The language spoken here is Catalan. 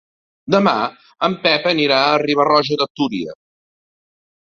Demà en Pep anirà a Riba-roja de Túria.